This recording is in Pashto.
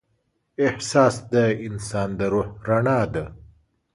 احساس د انسان د روح رڼا ده.